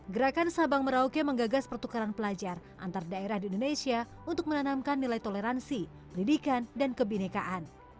gerakan sabang merauke menggagas pertukaran pelajar antar daerah di indonesia untuk menanamkan nilai toleransi pendidikan dan kebinekaan